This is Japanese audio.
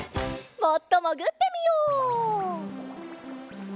もっともぐってみよう。